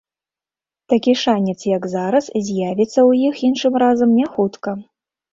Такі шанец, як зараз, з'явіцца ў іх іншым разам не хутка.